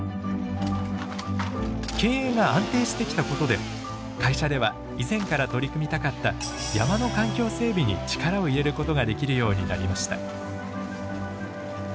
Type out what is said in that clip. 経営が安定してきたことで会社では以前から取り組みたかった山の環境整備に力を入れることができるようになりました。